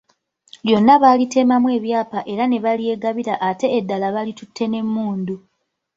Lyonna baalitemamu ebyapa era ne balyegabira ate eddala balitutte n’emmundu.